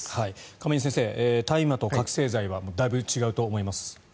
亀井先生、大麻と覚醒剤はだいぶ違うと思います。